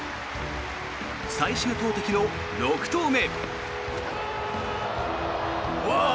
最終投てきの６投目。